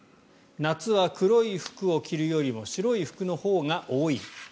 夏は黒い服を着るよりも白い服のほうが多い。